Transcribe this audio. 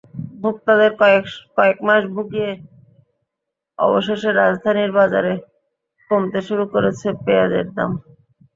ভোক্তাদের কয়েক মাস ভুগিয়ে অবশেষে রাজধানীর বাজারে কমতে শুরু করেছে পেঁয়াজের দাম।